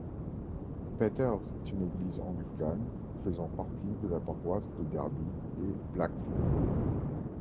Peter's est une église anglicane, faisant partie de la paroisse de Derby et Blackville.